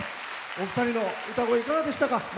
お二人の歌声、いかがでしたか？